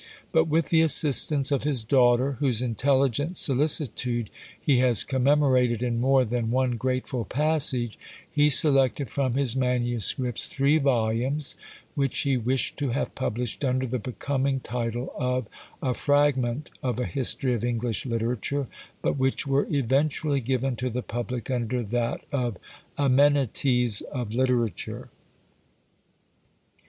But with the assistance of his daughter, whose intelligent solicitude he has commemorated in more than one grateful passage, he selected from his manuscripts three volumes, which he wished to have published under the becoming title of "A Fragment of a History of English Literature," but which were eventually given to the public under that of "Amenities of Literature."